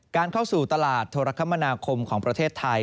เข้าสู่ตลาดโทรคมนาคมของประเทศไทย